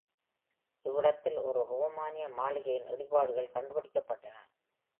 இவ்விடத்தில் ஒரு ரோமானிய மாளிகையின் இடிபாடுகள் கண்டுபிடிக்கப்பட்டன.